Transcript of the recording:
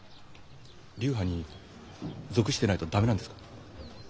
流派に属してないと駄目なんですか？